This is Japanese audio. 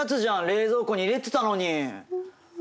冷蔵庫に入れてたのに！